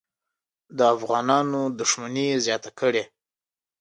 د افغانانو دښمني زیاته کړي.